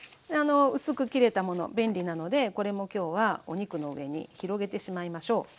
薄く切れたもの便利なのでこれも今日はお肉の上に広げてしまいましょう。